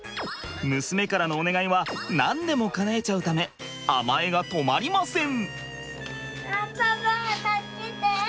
娘からのお願いはなんでもかなえちゃうため甘えが止まりません！